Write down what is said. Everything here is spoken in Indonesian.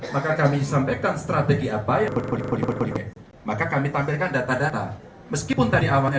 maka kami sampaikan strategi apa yang berikut berikut maka kami tampilkan data data meskipun tadi awalnya